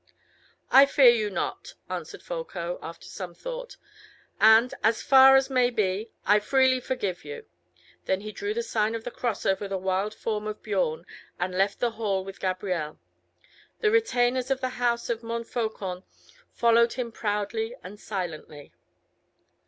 "I fear you not," answered Folko, after some thought; "and, as far as may be, I freely forgive you." Then he drew the sign of the cross over the wild form of Biorn, and left the hall with Gabrielle. The retainers of the house of Montfaucon followed him proudly and silently.